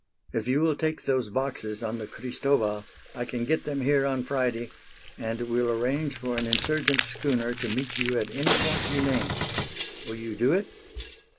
If you will take those boxes on the Cristobal I can get them here on Friday and will arrange for an insurgent schooner to meet you at any point you name. Will you do it?"